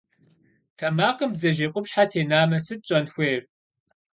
Тэмакъым бдзэжьей къупщхьэ тенамэ, сыт щӏэн хуейр?